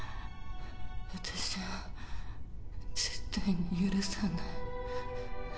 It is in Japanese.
私は絶対に許さない